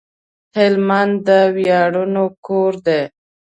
هلمند د وياړونو کور دی